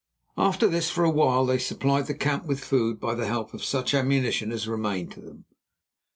After this, for a while they supplied the camp with food by the help of such ammunition as remained to them.